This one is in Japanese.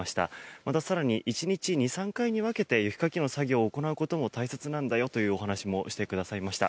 また更に１日２３回に分けて雪かきの作業を行うことも大切なんだよというお話もしてくださいました。